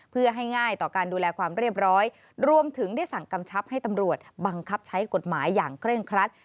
เพื่อให้ง่ายต่อการดูแลความเรียบร้อยรวมถึงได้สั่งกำชับให้ตำรวจบังคับใช้กฎหมายอย่างเคร่งครัด